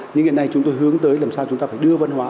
nhưng hiện nay chúng tôi hướng tới làm sao chúng ta phải đưa văn hóa